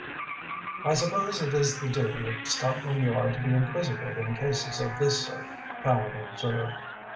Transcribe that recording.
"I suppose it is the duty of Scotland Yard to be inquisitive in cases of this sort," Tallente observed.